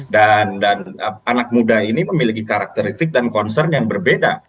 anak muda ini memiliki karakteristik dan concern yang berbeda